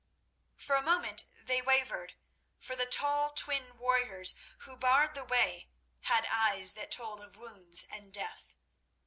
For a moment they wavered, for the tall twin warriors who barred the way had eyes that told of wounds and death.